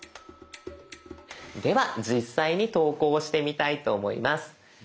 では実際に投稿してみたいと思います。